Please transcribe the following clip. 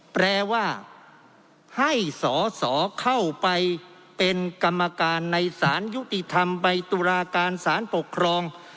แปลว่าให้สอสอเข้าไปเป็นกรรมการในสารยุติธรรมใบตุลาการสารปกครอง